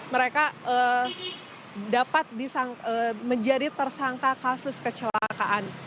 mereka dapat menjadi tersangka kasus kecelakaan